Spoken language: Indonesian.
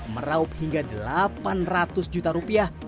meraup hingga delapan ratus juta rupiah